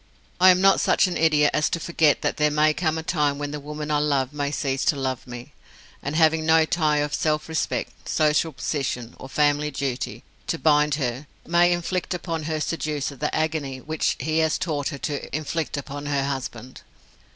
I am not such an idiot as to forget that there may come a time when the woman I love may cease to love me, and having no tie of self respect, social position, or family duty, to bind her, may inflict upon her seducer that agony which he has taught her to inflict upon her husband.